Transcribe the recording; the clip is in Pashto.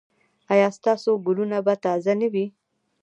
ایا ستاسو ګلونه به تازه نه وي؟